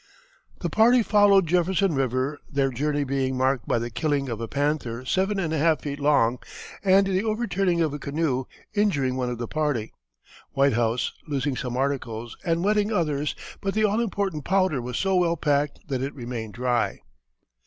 The party followed Jefferson River, their journey being marked by the killing of a panther seven and a half feet long, and the overturning of a canoe, injuring one of the party, Whitehouse, losing some articles, and wetting others, but the all important powder was so well packed that it remained dry.